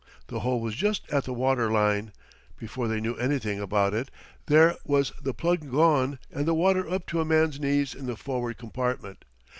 The hole was just at the water line. Before they knew anything about it there was the plug gone and the water up to a man's knees in the forward compartment.